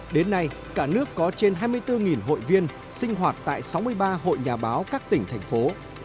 đến nay cả nước có trên hai mươi bốn hội viên sinh hoạt tại sáu mươi ba hội nhà báo các tỉnh thành phố